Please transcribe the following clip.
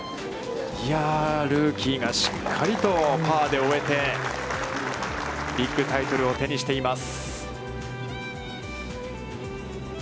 ルーキーがしっかりとパーで終えて、ビッグタイトルを手にしています。